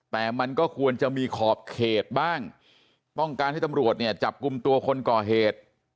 แต่มันก็ควรจะมีขอบเขตบ้างต้องการให้ตำรวจเนี่ยจับกลุ่มตัวคนก่อเหตุ